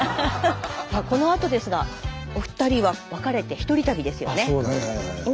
さあこのあとですがお二人はわかれてひとり旅ですよね。